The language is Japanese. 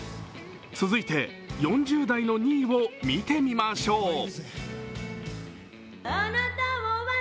続いて、４０代の２位を見てみましょう。